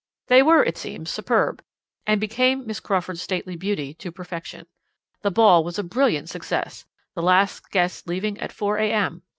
"They were, it seems, superb, and became Miss Crawford's stately beauty to perfection. The ball was a brilliant success, the last guest leaving at four a.m.